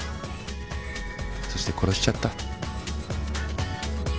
そして殺しちゃった。